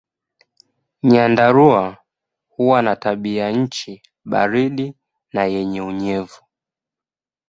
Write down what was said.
Nyandarua huwa na tabianchi baridi na yenye unyevu.